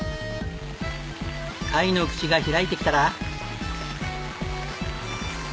貝の口が開いてきたら。